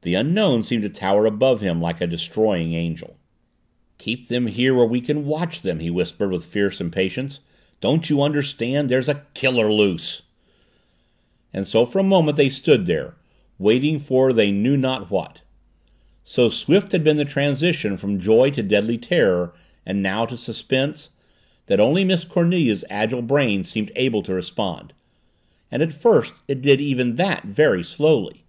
The Unknown seemed to tower above him like a destroying angel. "Keep them here where we can watch them!" he whispered with fierce impatience. "Don't you understand? There's a KILLER loose!" And so for a moment they stood there, waiting for they knew not what. So swift had been the transition from joy to deadly terror, and now to suspense, that only Miss Cornelia's agile brain seemed able to respond. And at first it did even that very slowly.